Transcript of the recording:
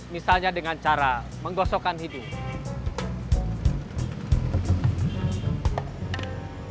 misalnya dengan cara menggosokkan hidung